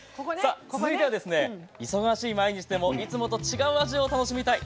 続いては、忙しい毎日でもいつもと違う味を楽しみたい。